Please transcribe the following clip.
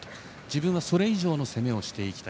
自分はそれ以上の攻めをしたい。